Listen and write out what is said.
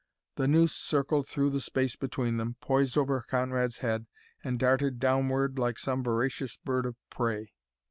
The noose circled through the space between them, poised over Conrad's head, and darted downward like some voracious bird of prey.